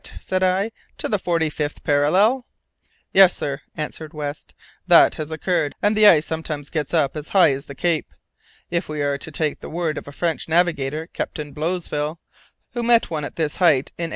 said I, "to the forty fifth parallel?" "Yes, sir," answered West, "that has occurred, and the ice sometimes gets up as high as the Cape, if we are to take the word of a French navigator, Captain Blosseville, who met one at this height in 1828."